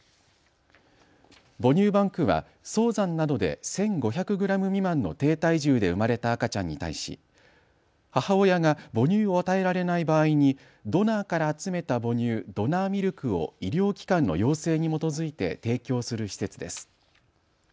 母乳バンクは早産などで１５００グラム未満の低体重で生まれた赤ちゃんに対し、母親が母乳を与えられない場合にドナーから集めた母乳、ドナーミルクを医療機関の要請に基づいて提供する施設です。